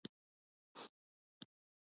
د طبیعت ساتنه د ټولو دنده ده